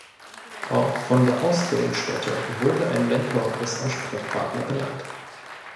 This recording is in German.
Auch von der Ausbildungsstätte wurde ein Mentor als Ansprechpartner benannt.